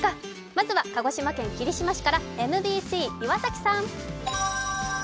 まずは鹿児島県霧島市からＭＢＣ・岩崎さん。